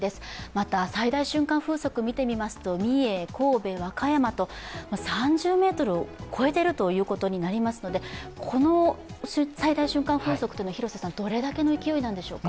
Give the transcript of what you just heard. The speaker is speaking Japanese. また最大瞬間風速を見てみますと三重、神戸、和歌山と３０メートルを超えているということになりますので、この最大瞬間風速というのはどれぐらいの勢いなんでしょうか。